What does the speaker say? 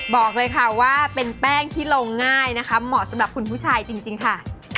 บอกเลยค่ะว่าเป็นแป้งที่ลงง่ายนะคะเหมาะสำหรับคุณผู้ชายจริงค่ะ